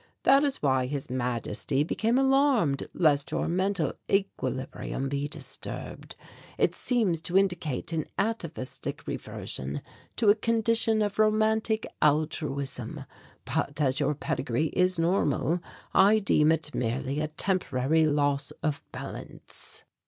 "That is why His Majesty became alarmed lest your mental equilibrium be disturbed. It seems to indicate an atavistic reversion to a condition of romantic altruism, but as your pedigree is normal, I deem it merely a temporary loss of balance."